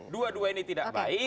dua dua ini tidak baik